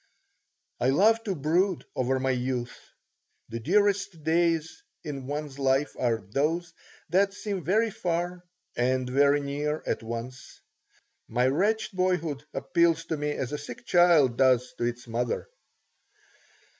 I love to brood over my youth. The dearest days in one's life are those that seem very far and very near at once. My wretched boyhood appeals to me as a sick child does to its mother.